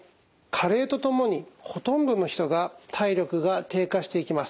加齢とともにほとんどの人が体力が低下していきます。